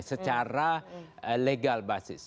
secara legal basis